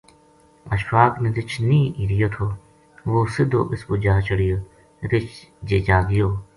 اشفاق نے رچھ نیہہ ہِریو تھو وہ سدھو اس پو جا چڑہیو رچھ جے جاگیو